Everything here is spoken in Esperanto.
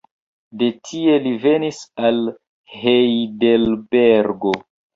De tie li venis al Hejdelbergo.